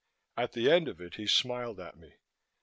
At the end of it, he smiled at me.